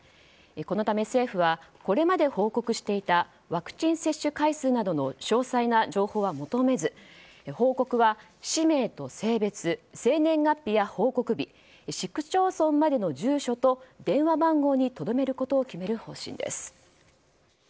このため、政府はこれまで報告していたワクチン接種回数などの詳細な情報は求めず報告は氏名と性別生年月日や報告日市区町村までの住所と電話番号にとどめることに決める方針です。